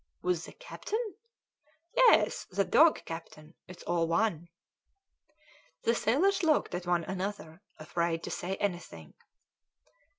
"With the captain?" "Yes, the dog captain it's all one." The sailors looked at one another, afraid to say anything.